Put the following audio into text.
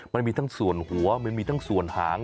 มันมีทั้งส่วนหัวมันมีทั้งส่วนหาง